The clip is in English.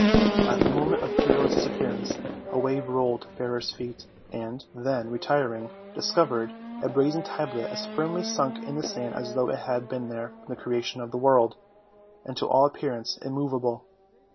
At the moment of Pyrrho's disappearance a wave rolled to Fairer's feet and, then retiring, discovered a brazen tablet as firmly sunk in the sand as though it had been there from the creation of the world, and to all ap pearance immovable.